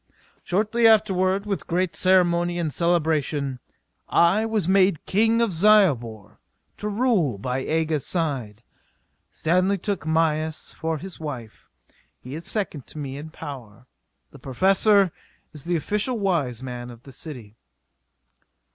Shortly afterward, with great ceremony and celebration, I was made King of Zyobor, to rule by Aga's side. Stanley took Mayis for his wife. He is second to me in power. The Professor is the official wise man of the city.